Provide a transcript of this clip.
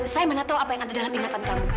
saya mana tahu apa yang ada dalam ingatan kamu